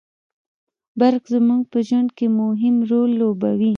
برق زموږ په ژوند کي مهم رول لوبوي